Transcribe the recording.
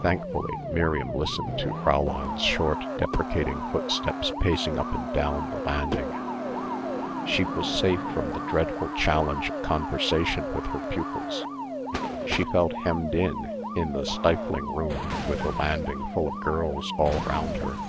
Thankfully Miriam listened to Fräulein's short, deprecating footsteps pacing up and down the landing. She was safe from the dreadful challenge of conversation with her pupils. She felt hemmed in in the stifling room with the landing full of girls all round her.